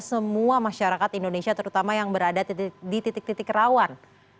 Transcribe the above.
semua masyarakat indonesia terutama yang berada di titik titik rawan